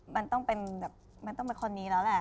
มันต้องเป็นแบบมันต้องเป็นคนนี้แล้วแหละ